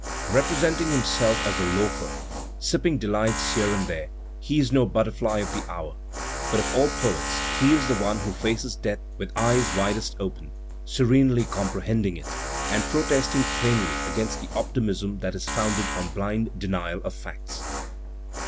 Representing himself as a loafer, sipping delights here and there, he is no butterfly of the hour, but of all poets he is the one who faces death with eyes widest open, serenely comprehending it, and protesting plainly against the optimism that is founded on blind denial of facts.